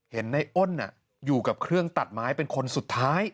เห็นในอ้นอยู่กับเครื่องตัดไม้เป็นคนสุดท้าย